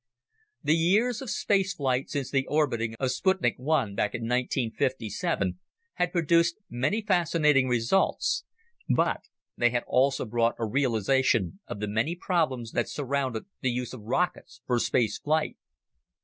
The years of space flight since the orbiting of Sputnik I back in 1957 had produced many fascinating results, but they had also brought a realization of the many problems that surrounded the use of rockets for space flight.